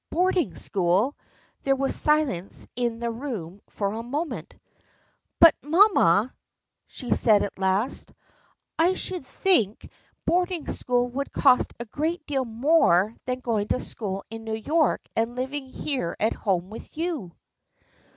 Boarding school ! There was silence in the room for a moment, " But, mamma," said she at last, " I should think 14 THE FRIENDSHIP OF ANNE boarding school would cost a great deal more than going to school in New York and living here at home with you."